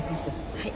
はい。